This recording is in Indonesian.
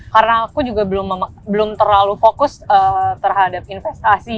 karena aku juga belum terlalu fokus terhadap investasi